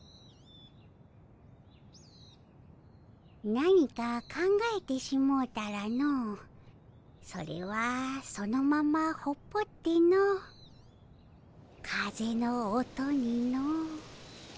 何か考えてしもうたらのそれはそのままほっぽっての風の音にの。